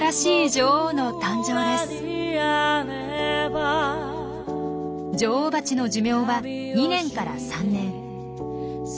女王バチの寿命は２年から３年。